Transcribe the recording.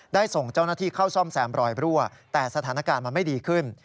ได้ส่งเจ้าหน้าที่เข้าซ่อมแซมรอยรั่วแต่สถานการณ์มันไม่ดีขึ้น